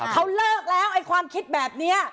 เขาเลิกแล้วไอ้ความคิดแบบนี้